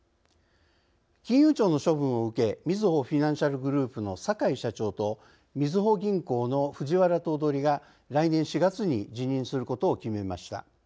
金融庁の処分を受けみずほフィナンシャルグループの坂井社長とみずほ銀行の藤原頭取が来年４月に辞任することを決めました。